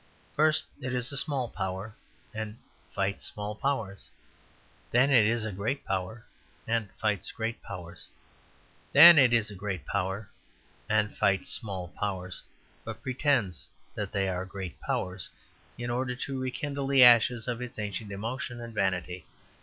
First, it is a small power, and fights small powers. Then it is a great power, and fights great powers. Then it is a great power, and fights small powers, but pretends that they are great powers, in order to rekindle the ashes of its ancient emotion and vanity.